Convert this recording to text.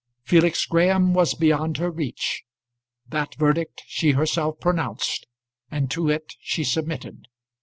Felix Graham was beyond her reach. That verdict she herself pronounced, and to it she submitted.